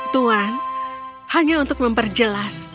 tuan hanya untuk memperjelas